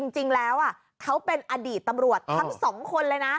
จริงแล้วเขาเป็นอดีตตำรวจทั้งสองคนเลยนะ